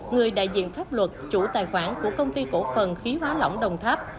người đại diện pháp luật chủ tài khoản của công ty cổ phần khí hóa lỏng đồng tháp